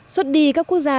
xuất đi các quốc gia